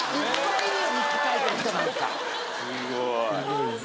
すごい。